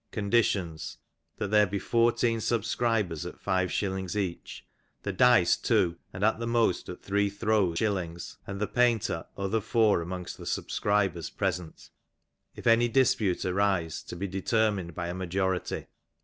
Conditions : That there be fourteen subscribers ^'at five shillings each. The dice two, and at the most at three ^' throws win the picture. The winner to spend four shillings, and *'the painter other four amongst the subscribers present. If any 'dispute arise, to be determined by a majority.